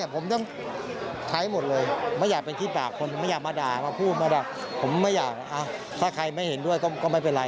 ผมไม่อยากถ้าใครไม่เห็นด้วยก็ไม่เป็นไร